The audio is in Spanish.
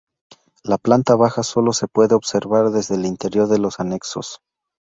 La planta baja solo se puede observar desde el interior de los anexos.